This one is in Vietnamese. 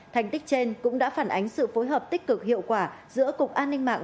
thành tích trên cũng đã phản ánh sự phối hợp tích cực hiệu quả giữa cục an ninh mạng